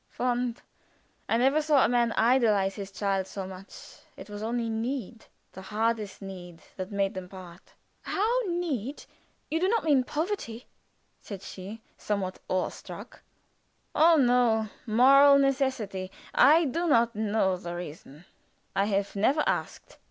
"Fond! I never saw a man idolize his child so much. It was only need the hardest need that made them part." "How need? You do not mean poverty?" said she, somewhat awe struck. "Oh, no! Moral necessity. I do not know the reason. I have never asked.